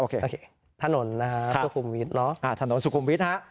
โอเคโอเคถนนนะฮะค่ะสุขุมวิทย์เนอะอ่าถนนสุขุมวิทย์ฮะ